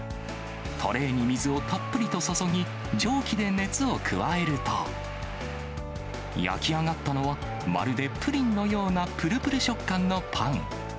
トレーに水をたっぷりと注ぎ、蒸気で熱を加えると、焼き上がったのは、まるでプリンのようなぷるぷる食感のパン。